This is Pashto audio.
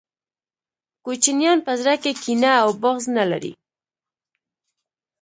کوچنیان په زړه کي کینه او بغض نلري